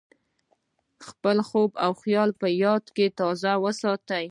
خپل خوب او خیال په یاد کې تازه وساتئ.